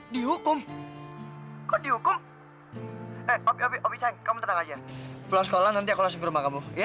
dihukum kok dihukum eh opi opi oby sayang kamu tenang aja pulang sekolah nanti aku langsung ke rumah kamu ya